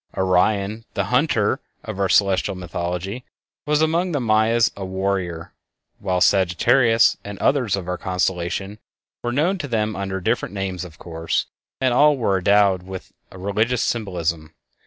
Orion, the "Hunter" of our celestial mythology, was among the Mayas a "Warrior," while Sagittarius and others of our constellations were known to them (under different names, of course), and all were endowed with a religious symbolism.